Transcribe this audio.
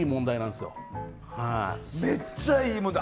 むっちゃいい問題。